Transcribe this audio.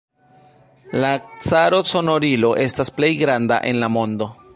La Caro-Sonorilo estas plej granda en la mondo.